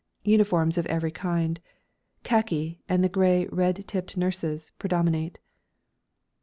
Uniforms of every kind, khaki and the grey, red tipped nurses, predominate.